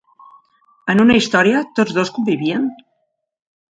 En una història, tots dos convivien?